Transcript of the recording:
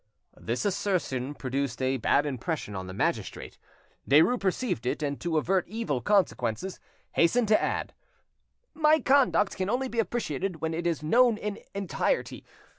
This assertion produced a bad impression on the magistrate. Derues perceived it, and to avert evil consequences, hastened to add— "My conduct can only be appreciated when it is known in entirety.